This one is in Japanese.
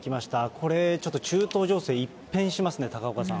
これ、ちょっと中東情勢、一変しますね、高岡さん。